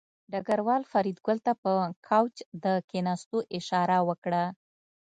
ډګروال فریدګل ته په کوچ د کېناستو اشاره وکړه